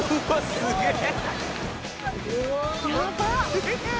すげえ！